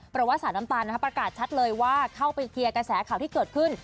เพราะว่าสาวน้ำตาลประกาศชัดเลยว่าเข้าไปเคลียร์กระแสข่าวที่เกิดขึ้น